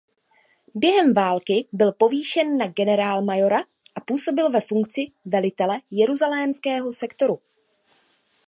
Během války byl povýšen na generálmajora a působil ve funkci velitele Jeruzalémského sektoru.